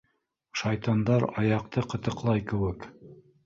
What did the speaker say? Шайтандар аяҡты ҡытыҡлай кеүек.